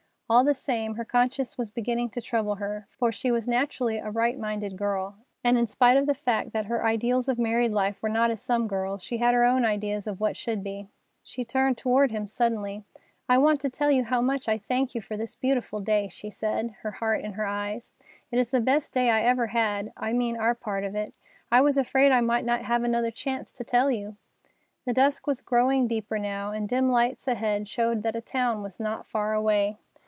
All the same, her conscience was beginning to trouble her, for she was naturally a right minded girl, and, in spite of the fact that her ideals of married life were not as some girls', she had her own ideas of what should be. She turned toward him suddenly: "I want to tell you how much I thank you for this beautiful day," she said, her heart in her eyes. "It is the best day I ever had—I mean our part of it. I was afraid I might not have another chance to tell you." The dusk was growing deeper now, and dim lights ahead showed that a town was not far away.